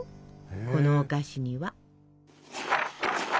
このお菓子には。